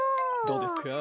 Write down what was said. どうですか？